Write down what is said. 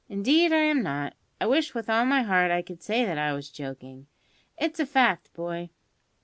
"Indeed I am not. I wish with all my heart I could say that I was joking. It's a fact, boy.